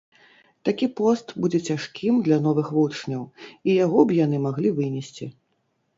Такі пост будзе цяжкім для новых вучняў, і яго б яны маглі вынесці.